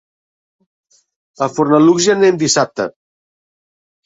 A Fornalutx hi anem dissabte.